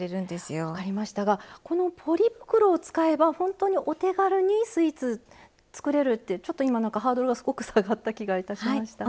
このポリ袋を使えばほんとにお手軽にスイーツつくれるってちょっと今何かハードルがすごく下がった気がいたしました。